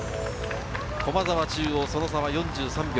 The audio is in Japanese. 駒澤、中央、その差は４３秒。